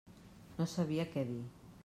No sabia què dir.